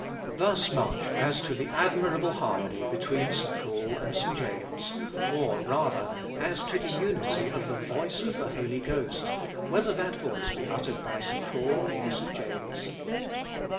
Thus much as to the admirable harmony between St. Paul and St. James: or rather as to the unity of the voice of the Holy Ghost, whether that voice be uttered by St. Paul or St. James.